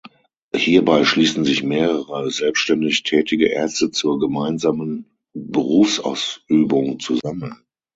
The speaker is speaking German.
Hierbei schließen sich mehrere selbständig tätige Ärzte zur gemeinsamen Berufsausübung zusammen.